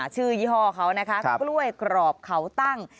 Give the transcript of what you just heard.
ยี่ห้อเขานะคะกล้วยกรอบเขาตั้ง